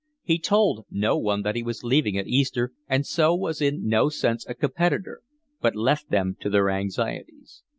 He told no one that he was leaving at Easter and so was in no sense a competitor, but left them to their anxieties.